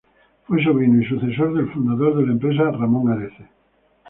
Fue sobrino y sucesor del fundador de la empresa, Ramón Areces.